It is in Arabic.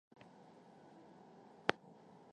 بين ليلى وسعاد ومنى